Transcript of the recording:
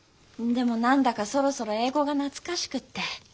でも何だかそろそろ英語が懐かしくって。